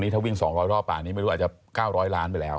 ถ้าวิ่ง๒๐๐รอบป่านี้ไม่รู้อาจจะ๙๐๐ล้านไปแล้ว